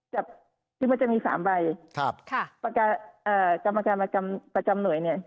จับซึ่งว่าจะมีสามใบครับค่ะประกาศเอ่อกรรมการประจำหน่วยเนี่ย